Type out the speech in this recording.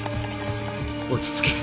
落ち着け！